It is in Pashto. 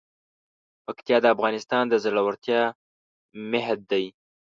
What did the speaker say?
پکتیا د افغانستان د زړورتیا مهد دی.